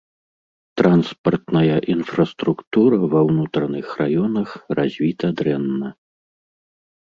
Транспартная інфраструктура ва ўнутраных раёнах развіта дрэнна.